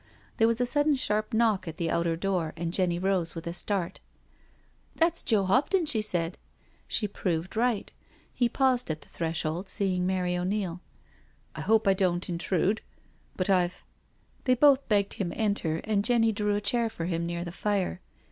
There was a sudden sharp knock at the outer door, and Jenny rose with a start. "That's Joe HoptonI" she said. She proved right. He paused at the threshold, seeing Mary O'Neil. " I hoj>e I don't intrude •,• but I've ••• JOE'S SURRENDER 305 They both begged him enter^ and Jenny drew a chair for him near the fire.